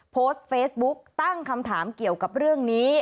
โพสต์เฟซบุ๊กตั้งคำถามเกี่ยวกับเรื่องนี้